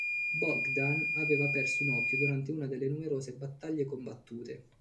Bogdan aveva perso un occhio durante una delle numerose battaglie combattute.